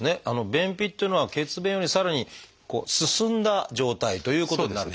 便秘っていうのは血便よりさらに進んだ状態ということになる。